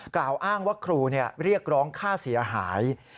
กล่าวอ้างว่าครูเรียกร้องค่าเสียหาย